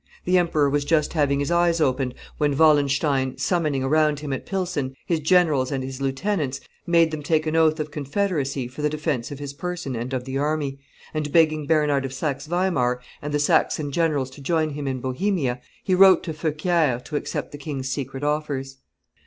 The emperor was just having his eyes opened, when Wallenstein, summoning around him at Pilsen his generals and his lieutenants, made them take an oath of confederacy for the defence of his person and of the army, and, begging Bernard of Saxe Weimar and the Saxon generals to join him in Bohemia, he wrote to Feuquieres to accept the king's secret offers.